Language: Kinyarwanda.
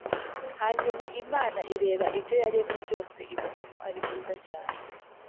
hanyuma imana ireba ibyo yaremye byose ibona ko ari byiza cyane